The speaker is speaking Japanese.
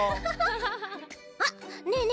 あっねえね